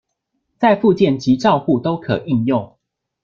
在復健及照護都可應用